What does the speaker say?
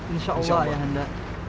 insyaallah ya handa